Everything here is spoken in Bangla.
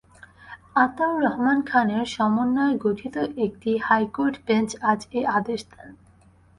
আতাউর রহমান খানের সমন্বয়ে গঠিত একটি হাইকোর্ট বেঞ্চ আজ এ আদেশ দেন।